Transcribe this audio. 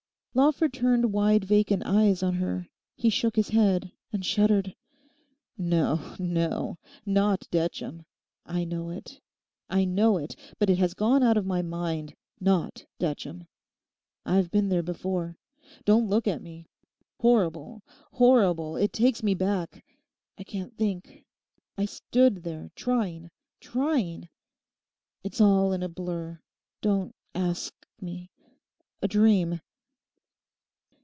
Lawford turned wide vacant eyes on her. He shook his head and shuddered. 'No, no; not Detcham. I know it; I know it; but it has gone out of my mind. Not Detcham; I've been there before; don't look at me. Horrible, horrible. It takes me back—I can't think. I stood there, trying, trying; it's all in a blur. Don't ask me—a dream.